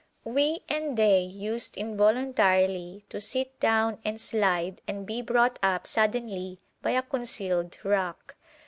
We and they used involuntarily to sit down and slide and be brought up suddenly by a concealed rock.